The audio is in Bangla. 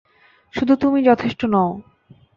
শুধু তুমিই যথেষ্ট নও!